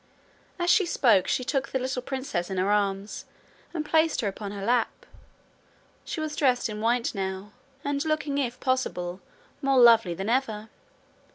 As she spoke she took the little princess in her arms and placed her upon her lap. She was dressed in white now, and looking if possible more lovely than ever.